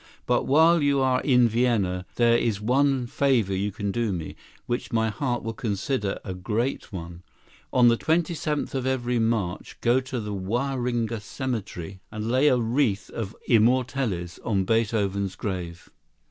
But while you are in Vienna, there is one favor you can do me, which my heart will consider a great one. On the twenty seventh of every March go to the Wahringer Cemetery and lay a wreath of immortelles on Beethoven's grave."